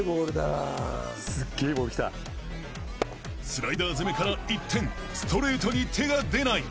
［スライダー攻めから一転ストレートに手が出ない］